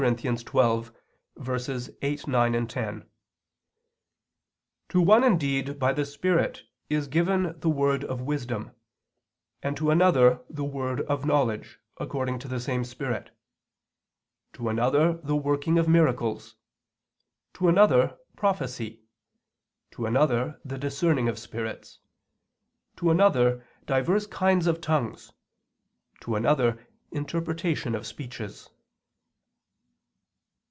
12:8, 9, 10): "To one indeed by the Spirit is given the word of wisdom; and to another the word of knowledge, according to the same Spirit; to another, the working of miracles; to another, prophecy; to another, the discerning of spirits; to another divers kinds of tongues; to another interpretation of speeches."